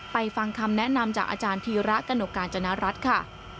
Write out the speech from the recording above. ฟังคำแนะนำจากอาจารย์ธีระกนกกาญจนรัฐค่ะ